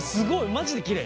マジできれい。